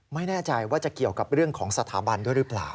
ไม่แน่ใจว่าจะเกี่ยวกับเรื่องของสถาบันด้วยหรือเปล่า